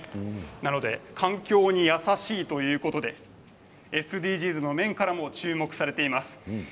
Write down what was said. なので環境に優しいということでＳＤＧｓの面からも注目されています。